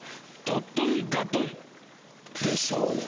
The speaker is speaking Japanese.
ドドンガドン！でしょうよ。